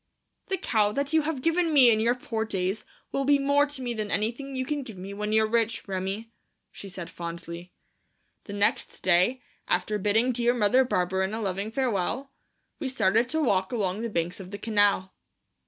"The cow that you have given me in your poor days will be more to me than anything you can give me when you're rich, Remi," she said fondly. The next day, after bidding dear Mother Barberin a loving farewell, we started to walk along the banks of the canal.